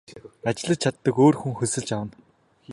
Ажиллаж чаддаг өөр хүн хөлсөлж авна.